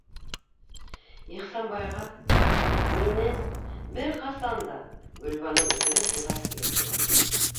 Ихсанбайға... мине... бер ҡасан да, - Гөлбаныу үкереп илап ергә йығылды.